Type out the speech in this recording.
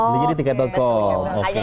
hanya di tiket com